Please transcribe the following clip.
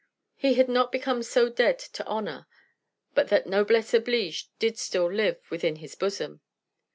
He had not become so dead to honor but that noblesse oblige did still live within his bosom.